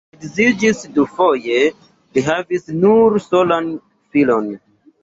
Li edziĝis dufoje, li havis nur solan filon.